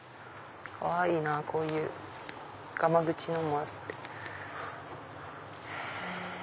かわいいなぁこういうがまぐちのもあって。